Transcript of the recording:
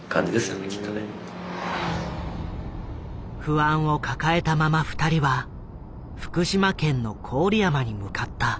不安を抱えたまま二人は福島県の郡山に向かった。